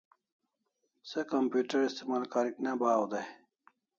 Se computer istimal karik ne bahaw day